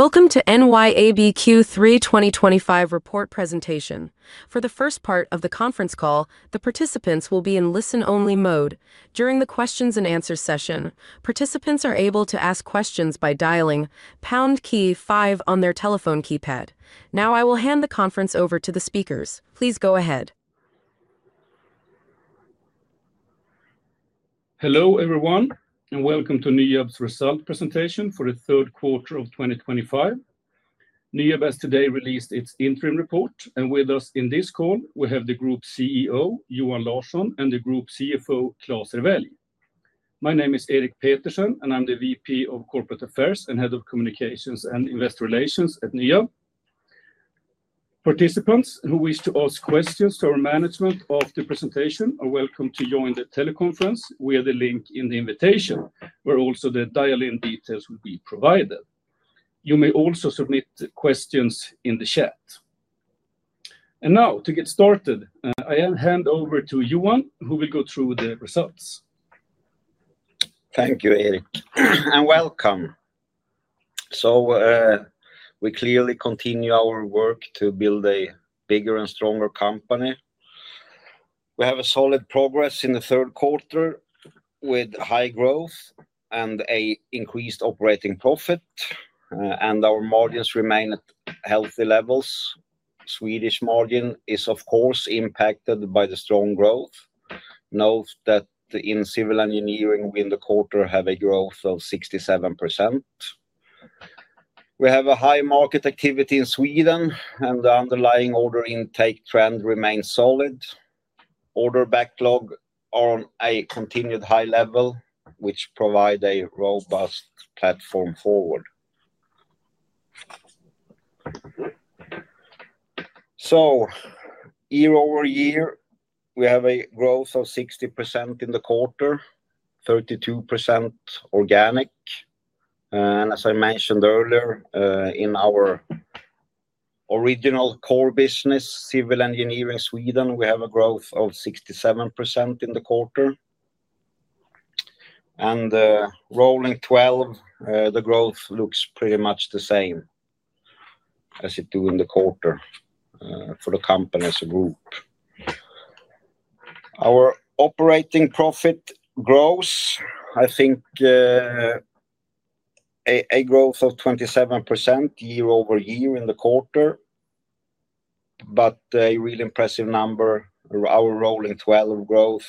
Welcome to NYAB Q3 2025 report presentation. For the first part of the conference call, the participants will be in listen-only mode. During the Q&A session, participants are able to ask questions by dialing pound key five on their telephone keypad. Now, I will hand the conference over to the speakers. Please go ahead. Hello everyone, and welcome to NYAB's result presentation for the third quarter of 2025. NYAB has today released its interim report, and with us in this call, we have the Group CEO, Johan Larsson, and the Group CFO, Klas Rewelj. My name is Erik Petersen, and I'm the VP of Corporate Affairs and Head of Communications and Investor Relations at NYAB. Participants who wish to ask questions to our management of the presentation are welcome to join the teleconference via the link in the invitation, where also the dial-in details will be provided. You may also submit questions in the chat. Now, to get started, I hand over to Johan, who will go through the results. Thank you, Erik, and welcome. We clearly continue our work to build a bigger and stronger company. We have solid progress in the third quarter with high growth and an increased operating profit, and our margins remain at healthy levels. Swedish margin is, of course, impacted by the strong growth. Note that in civil engineering, we in the quarter have a growth of 67%. We have high market activity in Sweden, and the underlying order intake trend remains solid. Order backlog is on a continued high level, which provides a robust platform forward. Year-over-year, we have a growth of 60% in the quarter, 32% organic. As I mentioned earlier, in our original core business, civil engineering Sweden, we have a growth of 67% in the quarter. Rolling 12, the growth looks pretty much the same as it does in the quarter. For the company as a group. Our operating profit grows, I think. A growth of 27% year-over-year in the quarter. A really impressive number, our rolling 12 growth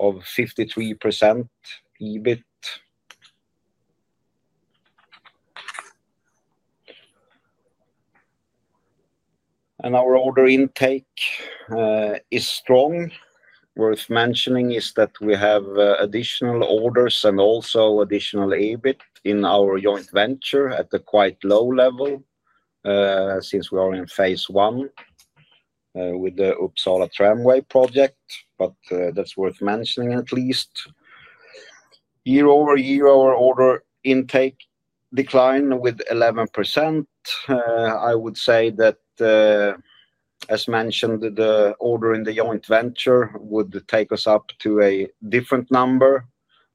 of 53%. EBIT. Our order intake is strong. Worth mentioning is that we have additional orders and also additional EBIT in our joint venture at a quite low level, since we are in phase I with the Uppsala tramway project. That is worth mentioning at least. year-over-year, our order intake declined with 11%. I would say that, as mentioned, the order in the joint venture would take us up to a different number.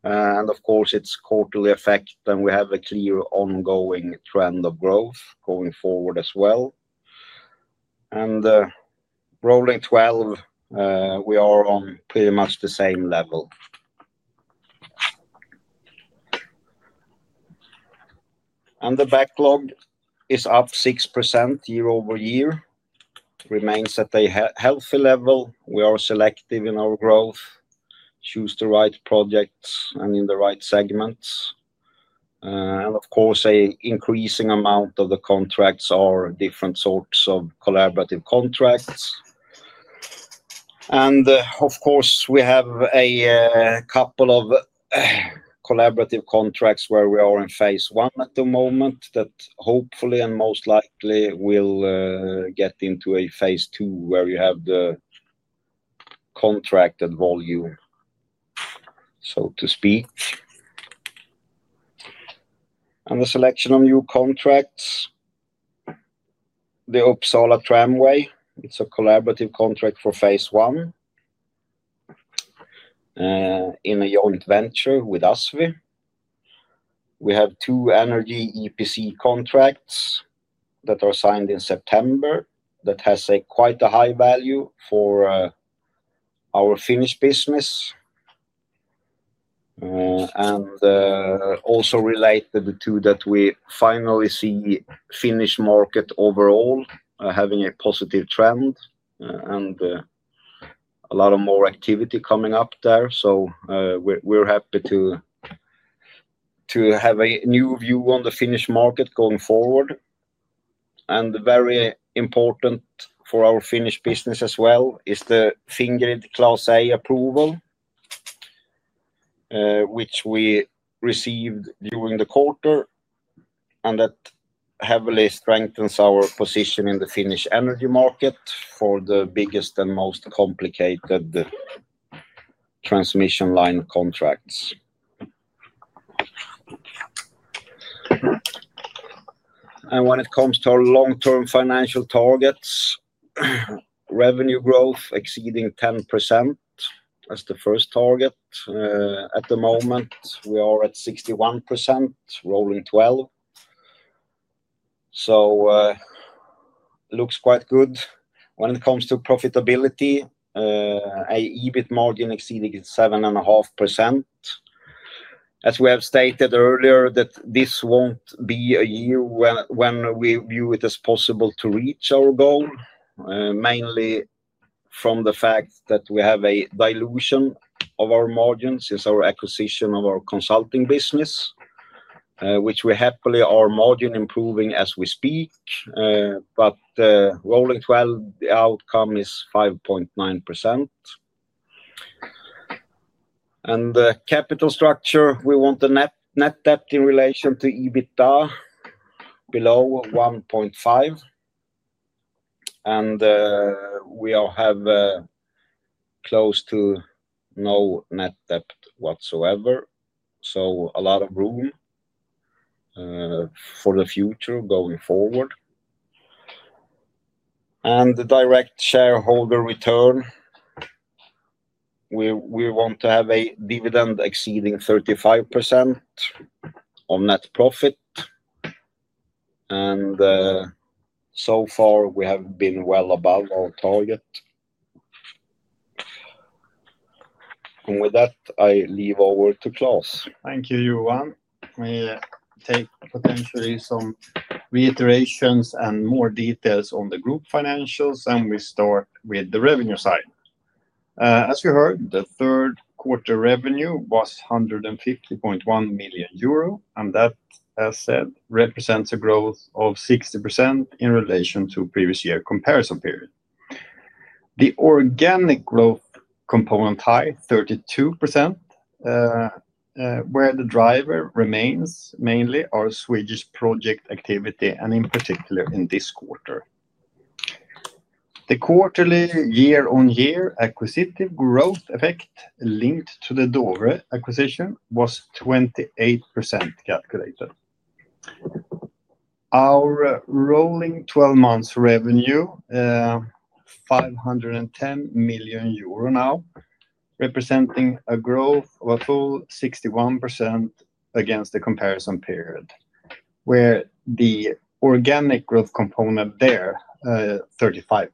Of course, it is a quarterly effect, and we have a clear ongoing trend of growth going forward as well. Rolling 12, we are on pretty much the same level. The backlog is up 6% year-over-year. Remains at a healthy level. We are selective in our growth. Choose the right projects and in the right segments. Of course, an increasing amount of the contracts are different sorts of collaborative contracts. We have a couple of collaborative contracts where we are in phase one at the moment that hopefully and most likely will get into a phase II where you have the contracted volume, so to speak. The selection on new contracts, the Uppsala tramway, it is a collaborative contract for phase one in a joint venture with ASVI. We have two energy EPC contracts that are signed in September that have quite a high value for our Finnish business. Also related to that, we finally see the Finnish market overall having a positive trend. A lot of more activity coming up there. We are happy to. Have a new view on the Finnish market going forward. Very important for our Finnish business as well is the Fingrid Class A approval, which we received during the quarter. That heavily strengthens our position in the Finnish energy market for the biggest and most complicated transmission line contracts. When it comes to our long-term financial targets, revenue growth exceeding 10% is the first target. At the moment, we are at 61%, rolling 12. It looks quite good. When it comes to profitability, an EBIT margin exceeding 7.5%. As we have stated earlier, this will not be a year when we view it as possible to reach our goal, mainly from the fact that we have a dilution of our margins since our acquisition of our consulting business, which we happily are margin improving as we speak. Rolling 12, the outcome is 5.9%. The capital structure, we want the net debt in relation to EBITDA below 1.5. We have close to no net debt whatsoever. A lot of room for the future going forward. The direct shareholder return, we want to have a dividend exceeding 35% on net profit. So far, we have been well above our target. With that, I leave over to Klas. Thank you, Johan. We take potentially some reiterations and more details on the group financials, and we start with the revenue side. As you heard, the third quarter revenue was 150.1 million euro, and that, as said, represents a growth of 60% in relation to previous year comparison period. The organic growth component high, 32%, where the driver remains mainly our Swedish project activity, and in particular in this quarter. The quarterly year-on-year acquisitive growth effect linked to the Dovre acquisition was 28% calculated. Our rolling 12 months revenue, 510 million euro now, representing a growth of a full 61% against the comparison period. Where the organic growth component there, 35%.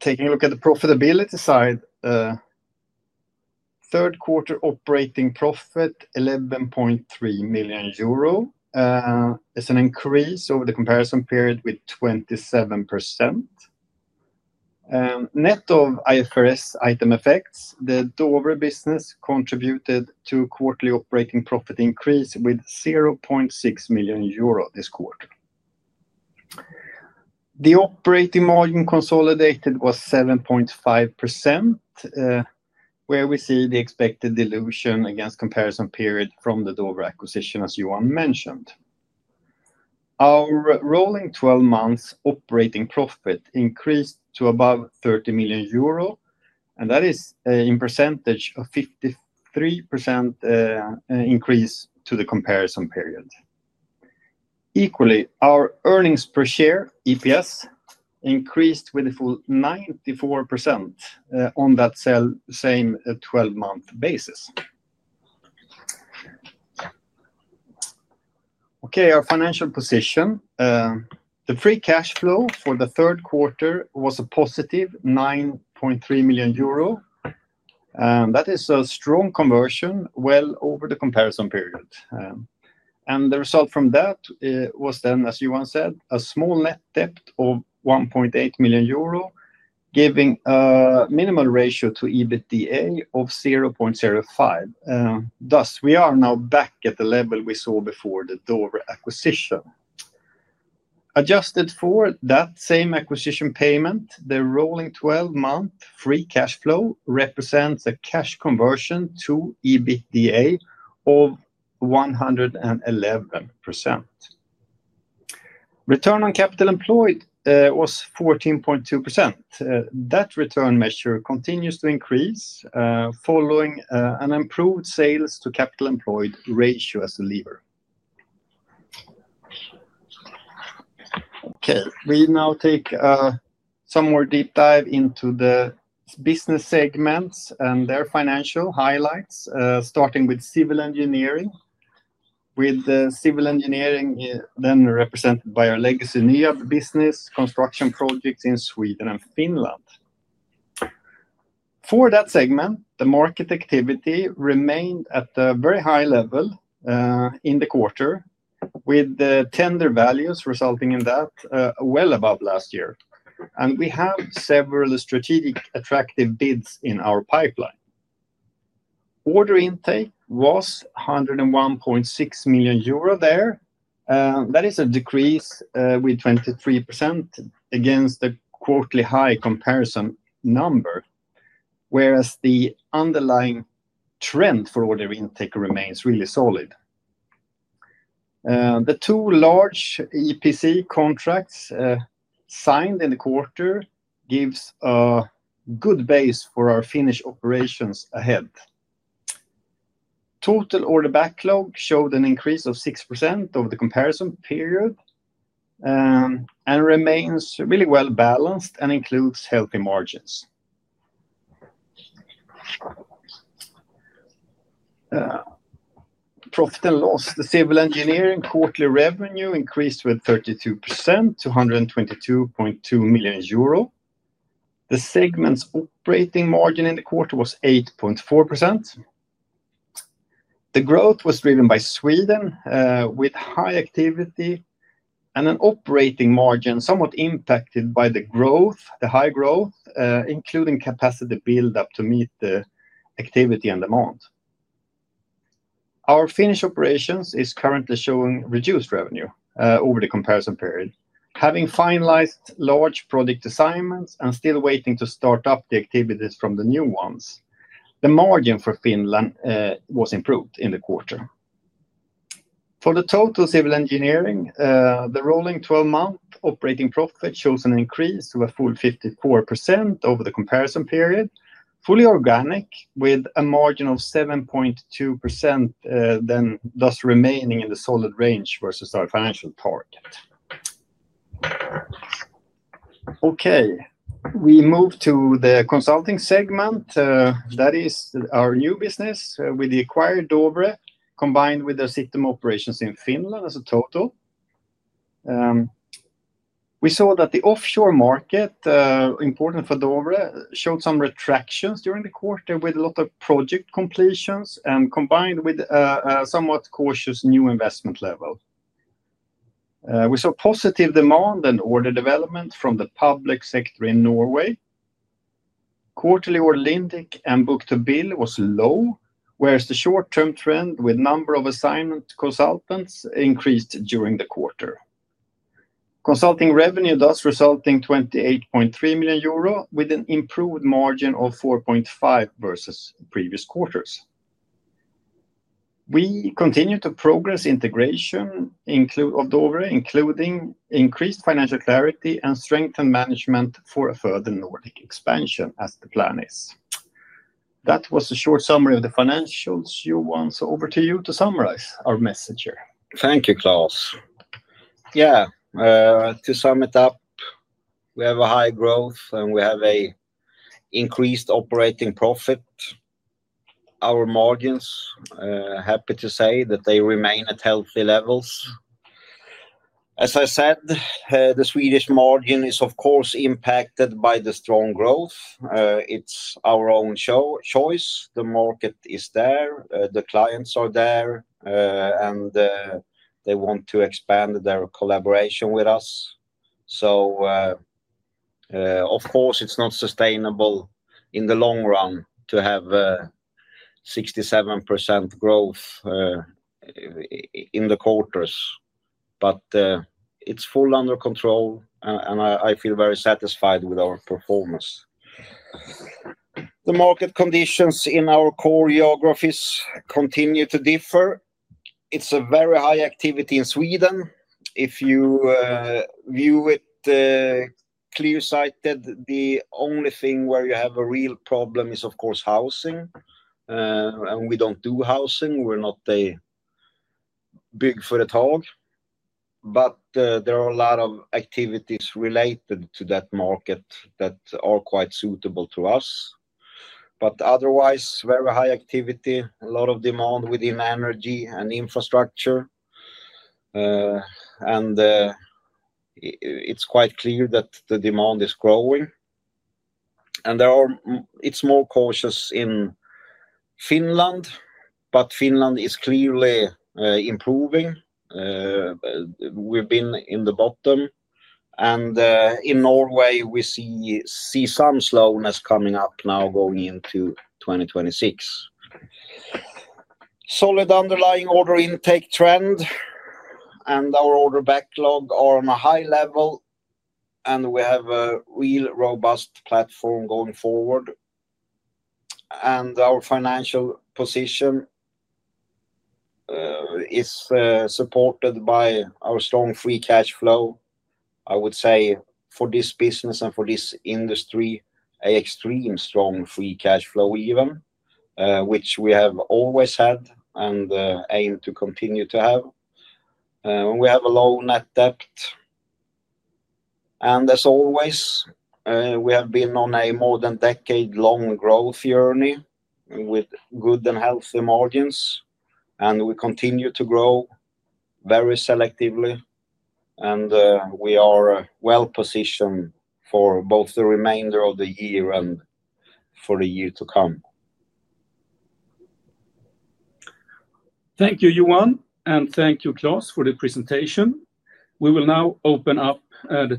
Taking a look at the profitability side. Third quarter operating profit, 11.3 million euro, is an increase over the comparison period with 27%. Net of IFRS item effects, the Dovre business contributed to quarterly operating profit increase with 0.6 million euro this quarter. The operating margin consolidated was 7.5%, where we see the expected dilution against comparison period from the Dovre acquisition, as Johan mentioned. Our rolling 12 months operating profit increased to above 30 million euro, and that is in percentage a 53% increase to the comparison period. Equally, our earnings per share, EPS, increased with a full 94% on that same 12-month basis. Okay, our financial position. The free cash flow for the third quarter was a +9.3 million euro. That is a strong conversion well over the comparison period. The result from that was then, as Johan said, a small net debt of 1.8 million euro, giving a minimal ratio to EBITDA of 0.05. Thus, we are now back at the level we saw before the Dovre acquisition. Adjusted for that same acquisition payment, the rolling 12-month free cash flow represents a cash conversion to EBITDA of 111%. Return on capital employed was 14.2%. That return measure continues to increase, following an improved sales to capital employed ratio as a lever. Okay, we now take a some more deep dive into the business segments and their financial highlights, starting with civil engineering. With civil engineering then represented by our legacy NYAB business, construction projects in Sweden and Finland. For that segment, the market activity remained at a very high level. In the quarter, with tender values resulting in that well above last year. We have several strategic attractive bids in our pipeline. Order intake was 101.6 million euro there. That is a decrease with 23% against the quarterly high comparison number. Whereas the underlying trend for order intake remains really solid. The two large EPC contracts signed in the quarter give a good base for our Finnish operations ahead. Total order backlog showed an increase of 6% over the comparison period. It remains really well balanced and includes healthy margins. Profit and loss, the civil engineering quarterly revenue increased with 32% to 122.2 million euro. The segment's operating margin in the quarter was 8.4%. The growth was driven by Sweden with high activity and an operating margin somewhat impacted by the growth, the high growth, including capacity build-up to meet the activity and demand. Our Finnish operations is currently showing reduced revenue over the comparison period. Having finalized large project assignments and still waiting to start up the activities from the new ones, the margin for Finland was improved in the quarter. For the total civil engineering, the rolling 12-month operating profit shows an increase of a full 54% over the comparison period, fully organic with a margin of 7.2%. Thus remaining in the solid range versus our financial target. Okay, we move to the consulting segment. That is our new business with the acquired Dovre Group combined with the system operations in Finland as a total. We saw that the offshore market. Important for Dovre, showed some retractions during the quarter with a lot of project completions and combined with a somewhat cautious new investment level. We saw positive demand and order development from the public sector in Norway. Quarterly order intake and book to bill was low, whereas the short-term trend with number of assignment consultants increased during the quarter. Consulting revenue thus resulting 28.3 million euro with an improved margin of 4.5% versus previous quarters. We continue to progress integration of Dovre, including increased financial clarity and strengthened management for a further Nordic expansion as the plan is. That was a short summary of the financials, Johan. Over to you to summarize our message here. Thank you, Klas. Yeah. To sum it up. We have high growth and we have an increased operating profit. Our margins. Happy to say that they remain at healthy levels. As I said, the Swedish margin is, of course, impacted by the strong growth. It's our own choice. The market is there. The clients are there. They want to expand their collaboration with us. Of course, it's not sustainable in the long run to have 67% growth in the quarters. But it's full under control, and I feel very satisfied with our performance. The market conditions in our core geographies continue to differ. It's a very high activity in Sweden. If you view it clear-sighted, the only thing where you have a real problem is, of course, housing. And we don't do housing. We're not a big for a targ. There are a lot of activities related to that market that are quite suitable to us. Otherwise, very high activity, a lot of demand within energy and infrastructure. It is quite clear that the demand is growing. It is more cautious in Finland, but Finland is clearly improving. We have been in the bottom. In Norway, we see some slowness coming up now going into 2026. Solid underlying order intake trend. Our order backlog is on a high level. We have a real robust platform going forward. Our financial position is supported by our strong free cash flow. I would say for this business and for this industry, an extremely strong free cash flow even, which we have always had and aim to continue to have. We have a low net debt, as always. We have been on a more than decade-long growth journey with good and healthy margins. We continue to grow. Very selectively. We are well positioned for both the remainder of the year and for the year to come. Thank you, Johan. Thank you, Klas, for the presentation. We will now open up the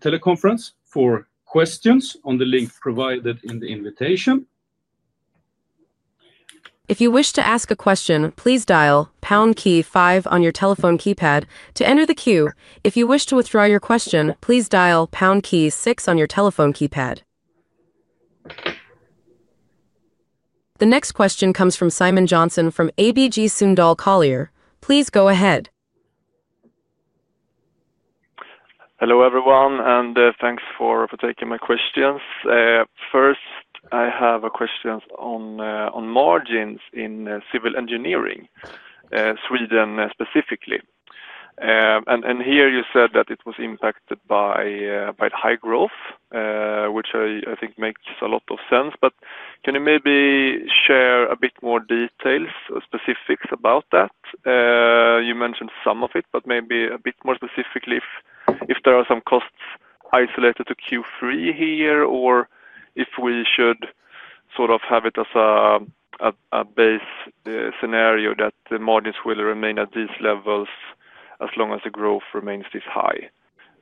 teleconference for questions on the link provided in the invitation. If you wish to ask a question, please dial pound key five on your telephone keypad to enter the queue. If you wish to withdraw your question, please dial pound key six on your telephone keypad. The next question comes from Simon Jönsson from ABG Sundal Collier. Please go ahead. Hello everyone, and thanks for taking my questions. First, I have a question on margins in civil engineering, Sweden specifically. Here you said that it was impacted by high growth, which I think makes a lot of sense. Can you maybe share a bit more details, specifics about that? You mentioned some of it, but maybe a bit more specifically if there are some costs isolated to Q3 here, or if we should sort of have it as a base scenario that the margins will remain at these levels as long as the growth remains this high.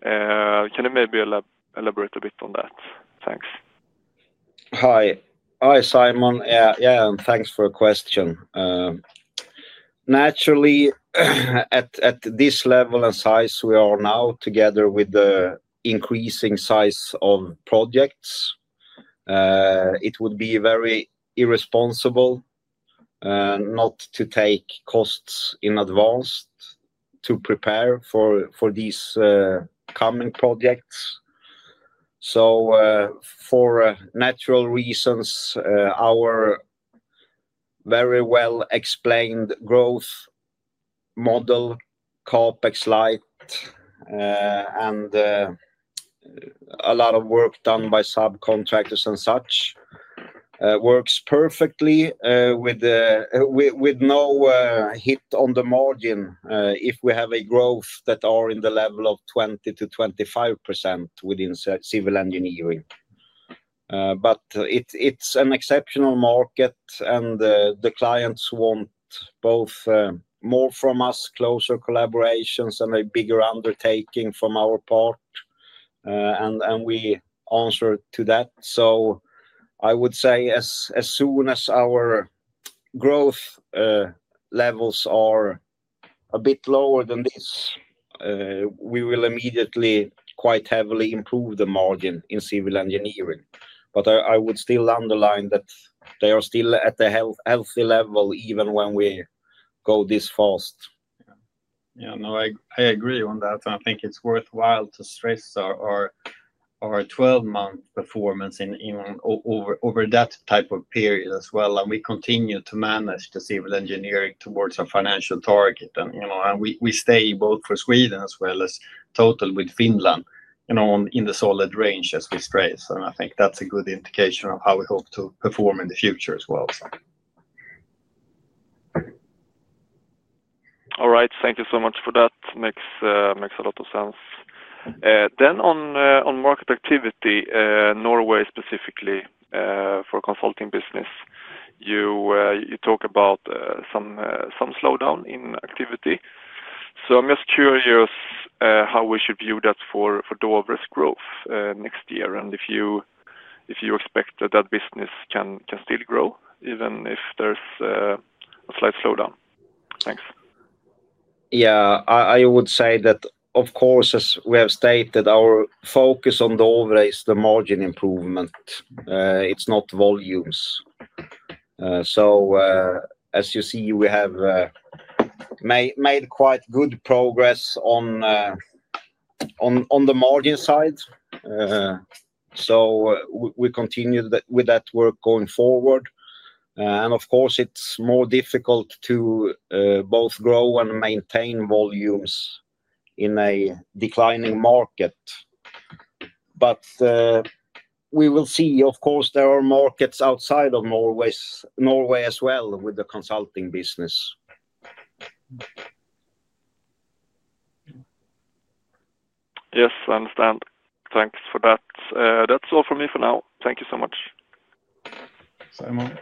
Can you maybe elaborate a bit on that? Thanks. Hi. Hi, Simon. Yeah, and thanks for the question. Naturally. At this level and size we are now, together with the increasing size of projects, it would be very irresponsible not to take costs in advance to prepare for these coming projects. For natural reasons, our very well explained growth model, CapEx light, and a lot of work done by subcontractors and such, works perfectly with no hit on the margin if we have a growth that is in the level of 20%-25% within civil engineering. It's an exceptional market, and the clients want both more from us, closer collaborations, and a bigger undertaking from our part. We answer to that. I would say as soon as our growth levels are a bit lower than this, we will immediately quite heavily improve the margin in civil engineering. I would still underline that they are still at a healthy level even when we go this fast. Yeah, no, I agree on that. I think it's worthwhile to stress our 12-month performance in, over that type of period as well. We continue to manage the civil engineering towards our financial target. We stay both for Sweden as well as total with Finland in the solid range as we stress. I think that's a good indication of how we hope to perform in the future as well. All right, thank you so much for that. Makes a lot of sense. On market activity, Norway specifically for consulting business, you talk about some slowdown in activity. I'm just curious how we should view that for Dovre's growth next year, and if you expect that that business can still grow even if there's a slight slowdown. Thanks. Yeah, I would say that, of course, as we have stated, our focus on Dovre is the margin improvement. It's not volumes. As you see, we have made quite good progress on the margin side. We continue with that work going forward. Of course, it's more difficult to both grow and maintain volumes in a declining market. We will see. Of course, there are markets outside of Norway as well with the consulting business. Yes, I understand. Thanks for that. That's all from me for now. Thank you so much. Simon.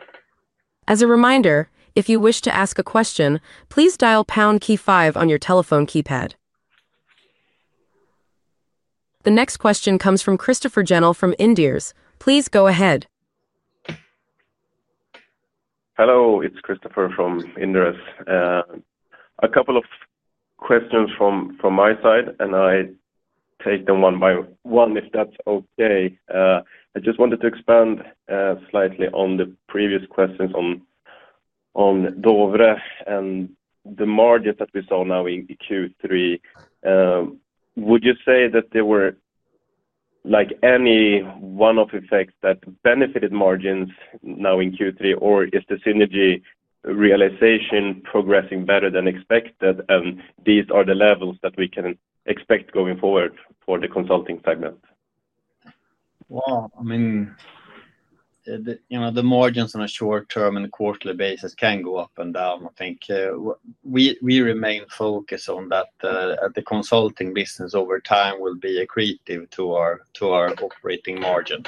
As a reminder, if you wish to ask a question, please dial pound key five on your telephone keypad. The next question comes from Christopher Jennel from Inderes. Please go ahead. Hello, it's Christopher from Inderes. A couple of questions from my side, and I take them one by one if that's okay. I just wanted to expand slightly on the previous questions on Dovre and the margin that we saw now in Q3. Would you say that there were any one-off effects that benefited margins now in Q3, or is the synergy realization progressing better than expected? These are the levels that we can expect going forward for the consulting segment. The margins on a short-term and quarterly basis can go up and down. I think we remain focused on that the consulting business over time will be accretive to our operating margin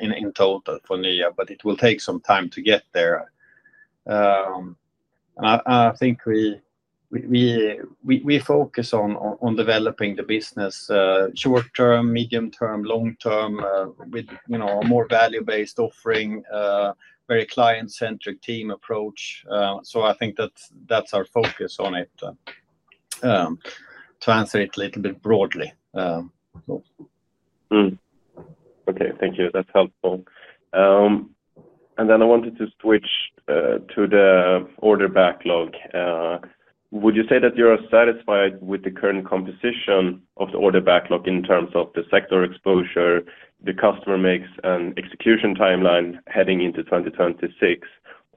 in total for NYAB, but it will take some time to get there. I think we focus on developing the business short-term, medium-term, long-term with a more value-based offering, very client-centric team approach. I think that that's our focus on it. To answer it a little bit broadly. Okay, thank you. That's helpful. I wanted to switch to the order backlog. Would you say that you're satisfied with the current composition of the order backlog in terms of the sector exposure, the customer mix, and execution timeline heading into 2026?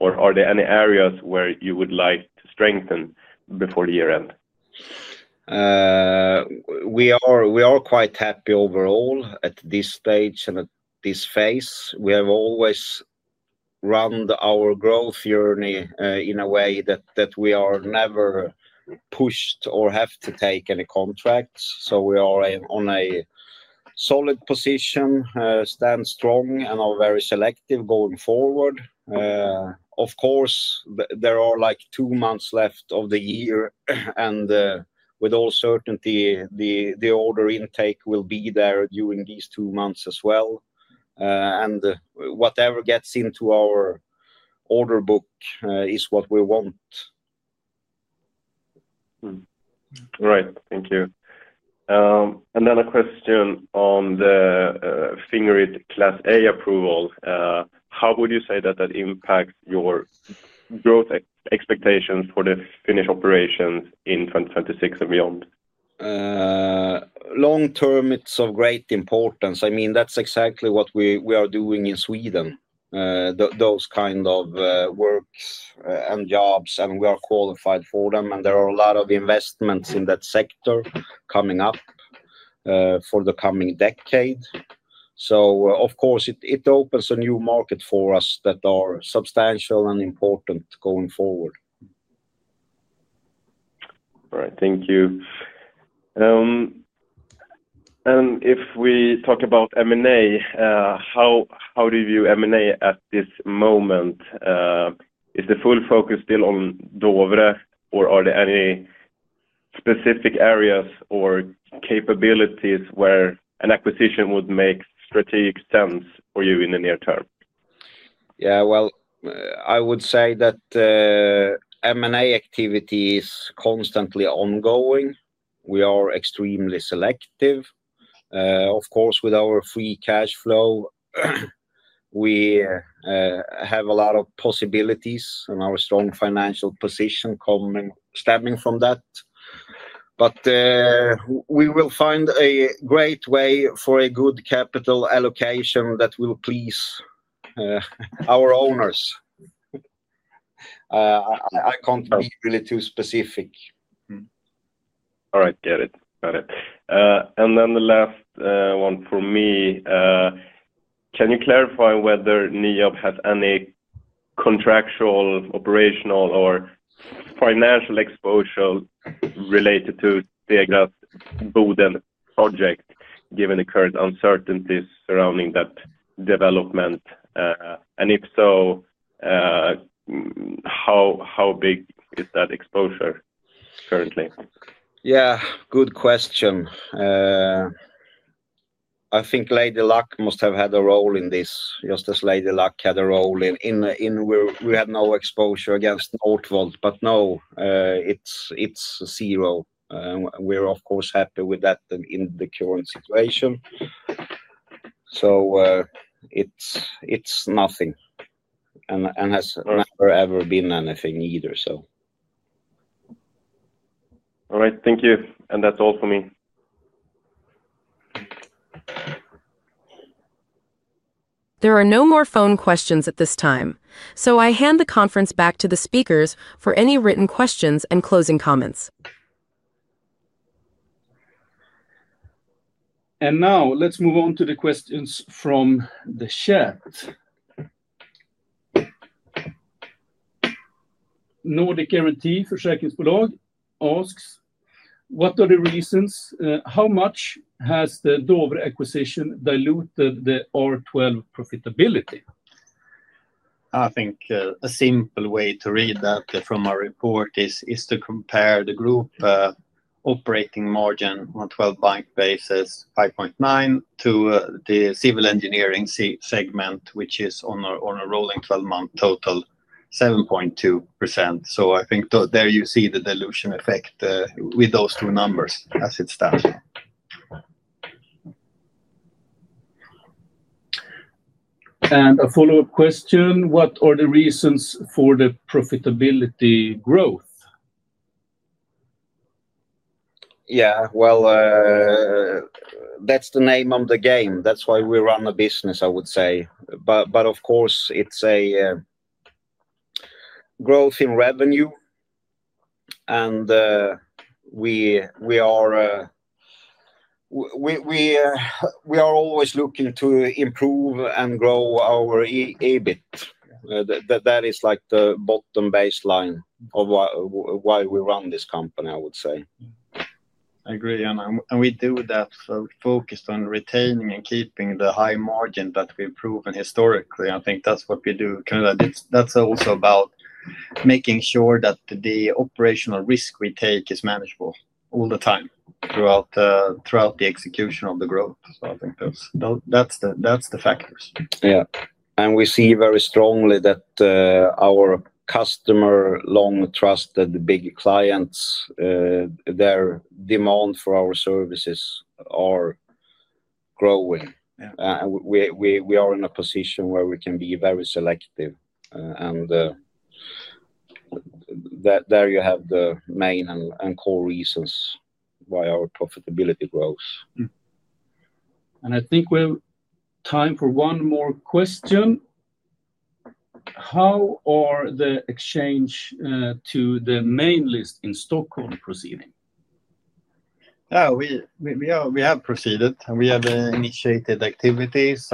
Are there any areas where you would like to strengthen before the year end? We are quite happy overall at this stage and at this phase. We have always run our growth journey in a way that we are never pushed or have to take any contracts. We are in a solid position, stand strong, and are very selective going forward. Of course, there are like two months left of the year, and with all certainty, the order intake will be there during these two months as well. Whatever gets into our order book is what we want. Right, thank you. And then a question on the Fingrid Class A approval. How would you say that that impacts your growth expectations for the Finnish operations in 2026 and beyond? Long-term, it's of great importance. I mean, that's exactly what we are doing in Sweden. Those kind of works and jobs, and we are qualified for them. There are a lot of investments in that sector coming up for the coming decade. Of course, it opens a new market for us that are substantial and important going forward. All right, thank you. If we talk about M&A, how do you view M&A at this moment? Is the full focus still on Dovre, or are there any specific areas or capabilities where an acquisition would make strategic sense for you in the near term? Yeah, I would say that M&A activity is constantly ongoing. We are extremely selective. Of course, with our free cash flow, we have a lot of possibilities and our strong financial position coming stemming from that. We will find a great way for a good capital allocation that will please our owners. I can't be really too specific. All right, got it. Got it. The last one for me. Can you clarify whether NYAB has any contractual, operational, or financial exposure related to the EGAS Bodden project, given the current uncertainties surrounding that development? If so, how big is that exposure currently? Yeah, good question. I think Lady Luck must have had a role in this, just as Lady Luck had a role in. We had no exposure against Northvolt, but no, it's zero. We're, of course, happy with that in the current situation. It's nothing. And has never ever been anything either, so. All right, thank you. That's all for me. There are no more phone questions at this time. I hand the conference back to the speakers for any written questions and closing comments. Let's move on to the questions from the chat. Nordic Guarantee Foresighting's Belong asks, what are the reasons? How much has the Dovre acquisition diluted the R12 profitability? I think a simple way to read that from our report is to compare the group operating margin on a 12-month basis, 5.9%, to the civil engineering segment, which is on a rolling 12-month total, 7.2%. I think there you see the dilution effect with those two numbers as it stands. A follow-up question, what are the reasons for the profitability growth? Yeah, that's the name of the game. That's why we run a business, I would say. Of course, it's a growth in revenue. We are always looking to improve and grow our EBIT. That is like the bottom baseline of why we run this company, I would say. I agree. We do that focused on retaining and keeping the high margin that we've proven historically. I think that's what we do. That's also about making sure that the operational risk we take is manageable all the time throughout the execution of the growth. I think that's the factors. Yeah. We see very strongly that our customer, long trusted, the big clients, their demand for our services are growing. We are in a position where we can be very selective. There you have the main and core reasons why our profitability grows. I think we have time for one more question. How are the exchange to the main list in Stockholm proceeding? We have proceeded. We have initiated activities.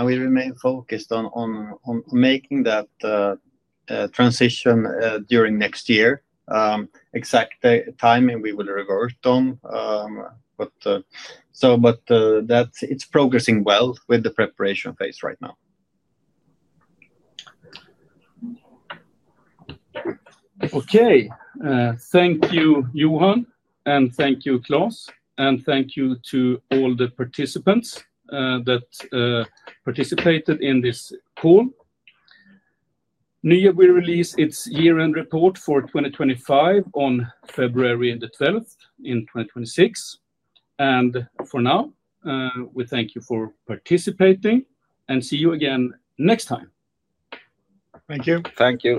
We remain focused on making that transition during next year. Exact timing, we will revert on. It is progressing well with the preparation phase right now. Okay. Thank you, Johan. And thank you, Klas. And thank you to all the participants that participated in this call. NYAB will release its year-end report for 2025 on February 12th in 2026. And for now, we thank you for participating and see you again next time. Thank you. Thank you.